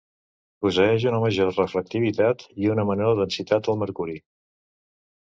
Posseeix una major reflectivitat i una menor densitat el mercuri.